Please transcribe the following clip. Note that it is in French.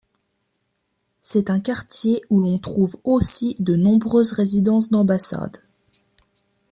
C'est un quartier où l'on trouve aussi de nombreuses résidences d'ambassades.